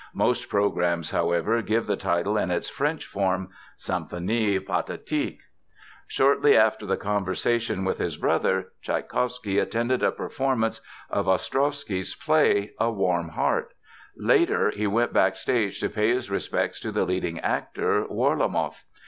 Most programs, however, give the title in its French form, Symphonie Pathétique. Shortly after the conversation with his brother, Tschaikowsky attended a performance of Ostrowsky's play, A Warm Heart. Later he went backstage to pay his respects to the leading actor, Warlamoff.